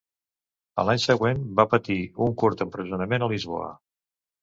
A l'any següent va patir un curt empresonament a Lisboa.